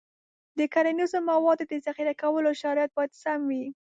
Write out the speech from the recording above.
د کرنیزو موادو د ذخیره کولو شرایط باید سم وي.